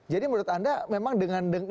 jadi menurut anda memang dengan situasi seperti ini